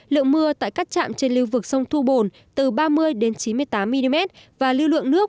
lượng mưa tại các trạm trên lưu vực sông thu bồn từ ba mươi chín mươi tám mm và lưu lượng nước